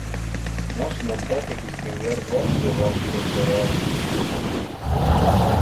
Nos non pote distinguer vos de vostre soror junior.